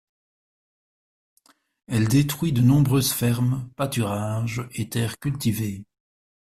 Elle détruit de nombreuses fermes, pâturages et terres cultivées.